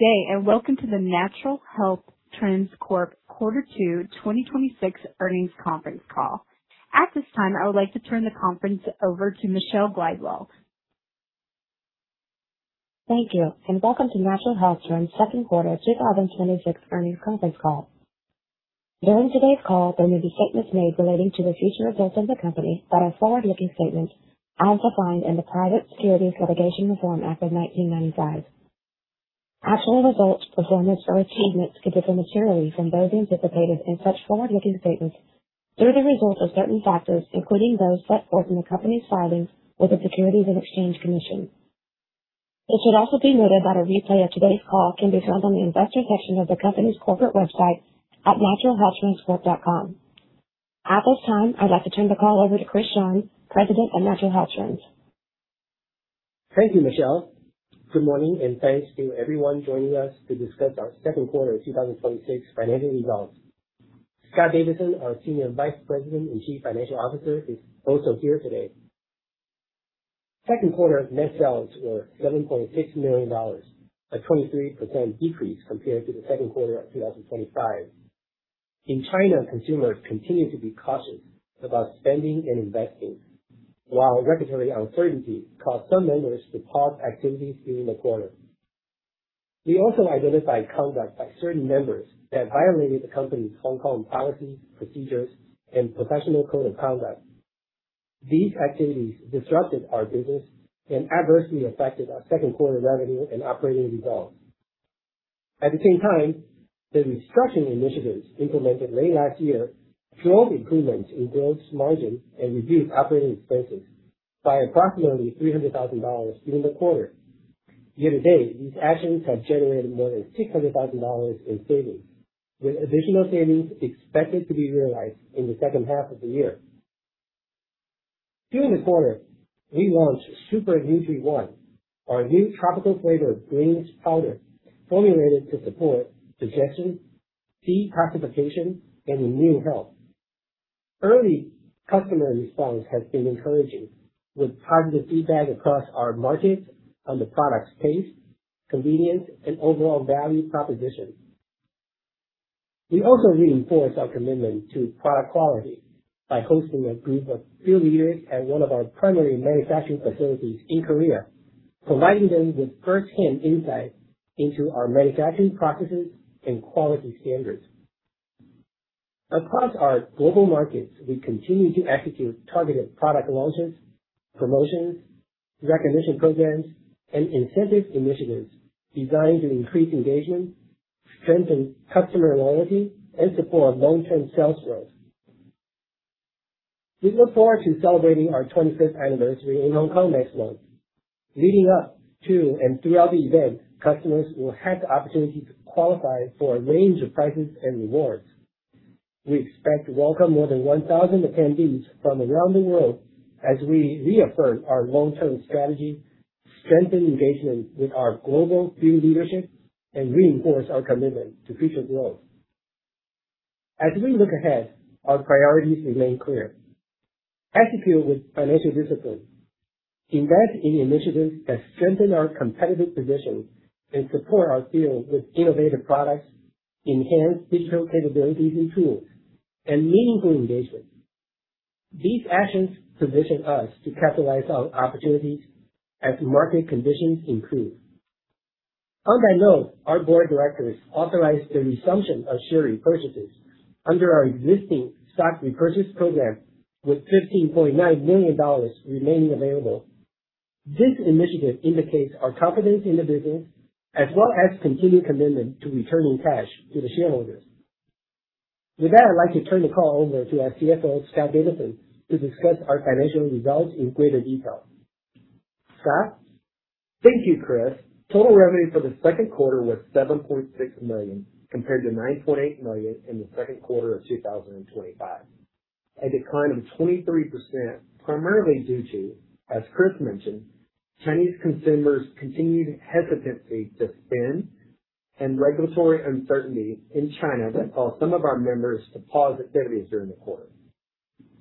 Good day, welcome to the Natural Health Trends Corp. Quarter Two 2026 earnings conference call. At this time, I would like to turn the conference over to Michelle Glidewell. Thank you, welcome to Natural Health Trends second quarter 2026 earnings conference call. During today's call, there may be statements made relating to the future results of the company that are forward-looking statements as defined in the Private Securities Litigation Reform Act of 1995. Actual results, performance, or achievements could differ materially from those anticipated in such forward-looking statements due to the result of certain factors, including those set forth in the company's filings with the Securities and Exchange Commission. It should also be noted that a replay of today's call can be found on the investor section of the company's corporate website at naturalhealthtrendscorp.com. At this time, I'd like to turn the call over to Chris Sharng, President of Natural Health Trends. Thank you, Michelle. Good morning, thanks to everyone joining us to discuss our second quarter 2026 financial results. Scott Davidson, our Senior Vice President and Chief Financial Officer, is also here today. Second quarter net sales were $7.6 million, a 23% decrease compared to the second quarter of 2025. In China, consumers continue to be cautious about spending and investing. While regulatory uncertainty caused some members to pause activities during the quarter. We also identified conduct by certain members that violated the company's Hong Kong policies, procedures, and professional code of conduct. These activities disrupted our business and adversely affected our second quarter revenue and operating results. At the same time, the restructuring initiatives implemented late last year showed improvements in gross margin and reduced operating expenses by approximately $300,000 during the quarter. Year-to-date, these actions have generated more than $600,000 in savings, with additional savings expected to be realized in the second half of the year. During the quarter, we launched Super Nutri One, our new tropical flavored greens powder formulated to support digestion, detoxification, and immune health. Early customer response has been encouraging, with positive feedback across our markets on the product's taste, convenience, and overall value proposition. We also reinforced our commitment to product quality by hosting a group of field leaders at one of our primary manufacturing facilities in Korea, providing them with firsthand insight into our manufacturing processes and quality standards. Across our global markets, we continue to execute targeted product launches, promotions, recognition programs, and incentive initiatives designed to increase engagement, strengthen customer loyalty, and support long-term sales growth. We look forward to celebrating our 25th Anniversary in Hong Kong next month. Leading up to and throughout the event, customers will have the opportunity to qualify for a range of prizes and rewards. We expect to welcome more than 1,000 attendees from around the world as we reaffirm our long-term strategy, strengthen engagement with our global field leadership, and reinforce our commitment to future growth. As we look ahead, our priorities remain clear. Execute with financial discipline, invest in initiatives that strengthen our competitive position, and support our field with innovative products, enhanced digital capabilities and tools, and meaningful engagement. These actions position us to capitalize on opportunities as market conditions improve. On that note, our board of directors authorized the resumption of share repurchases under our existing stock repurchase program with $15.9 million remaining available. This initiative indicates our confidence in the business as well as continued commitment to returning cash to the shareholders. With that, I'd like to turn the call over to our CFO, Scott Davidson, to discuss our financial results in greater detail. Scott? Thank you, Chris. Total revenue for the second quarter was $7.6 million compared to $9.8 million in the second quarter of 2025. A decline of 23% primarily due to, as Chris mentioned, Chinese consumers' continued hesitancy to spend and regulatory uncertainty in China that caused some of our members to pause activities during the quarter.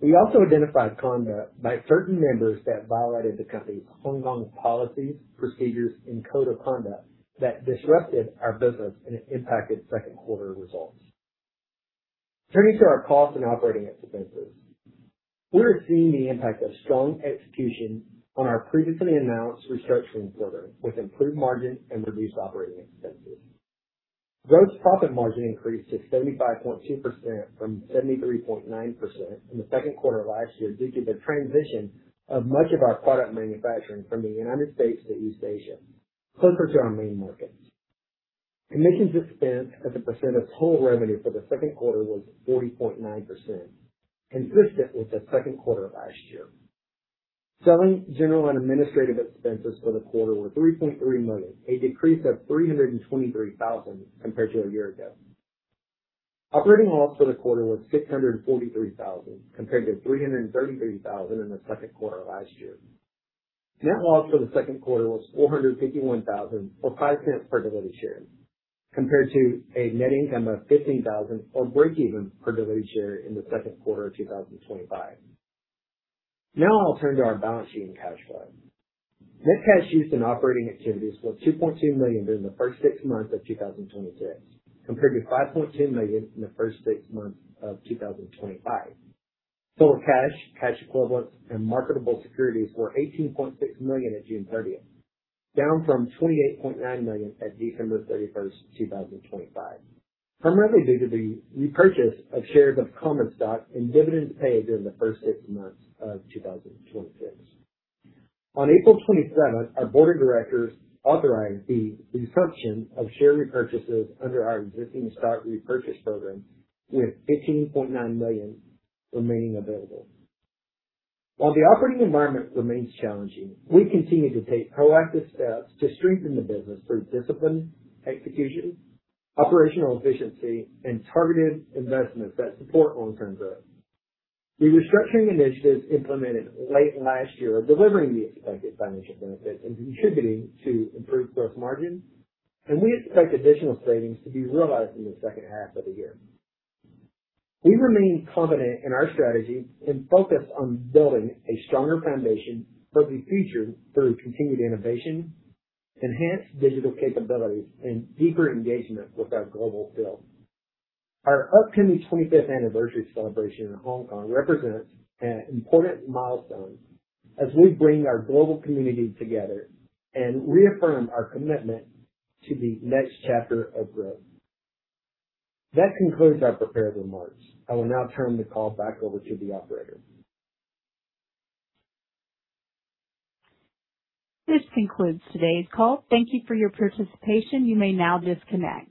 We also identified conduct by certain members that violated the company's Hong Kong policies, procedures, and code of conduct that disrupted our business and impacted second quarter results. Turning to our costs and operating expenses. We are seeing the impact of strong execution on our previously announced restructuring program with improved margin and reduced operating expenses. Gross profit margin increased to 75.2% from 73.9% in the second quarter of last year, due to the transition of much of our product manufacturing from the United States to East Asia, closer to our main markets. Commissions expense as a percent of total revenue for the second quarter was 40.9%, consistent with the second quarter of last year. Selling, general, and administrative expenses for the quarter were $3.3 million, a decrease of $323,000 compared to a year ago. Operating loss for the quarter was $643,000 compared to $333,000 in the second quarter of last year. Net loss for the second quarter was $451,000 or $0.05 per diluted share, compared to a net income of $15,000 or breakeven per diluted share in the second quarter of 2025. Now I'll turn to our balance sheet and cash flow. Net cash used in operating activities was $2.2 million during the first six months of 2026, compared to $5.2 million in the first six months of 2025. Total cash equivalents, and marketable securities were $18.6 million at June 30th, down from $28.9 million at December 31st, 2025, primarily due to the repurchase of shares of common stock and dividends paid during the first six months of 2026. On April 27th, our Board of Directors authorized the resumption of share repurchases under our existing stock repurchase program, with $15.9 million remaining available. While the operating environment remains challenging, we continue to take proactive steps to strengthen the business through disciplined execution, operational efficiency, and targeted investments that support long-term growth. The restructuring initiatives implemented late last year are delivering the expected financial benefits and contributing to improved gross margin, and we expect additional savings to be realized in the second half of the year. We remain confident in our strategy and focused on building a stronger foundation for the future through continued innovation, enhanced digital capabilities, and deeper engagement with our global field. Our upcoming 25th Anniversary celebration in Hong Kong represents an important milestone as we bring our global community together and reaffirm our commitment to the next chapter of growth. That concludes our prepared remarks. I will now turn the call back over to the operator. This concludes today's call. Thank you for your participation. You may now disconnect.